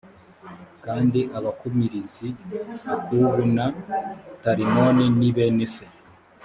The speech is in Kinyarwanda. kandi abakumirizi akubu na talimoni ni bene se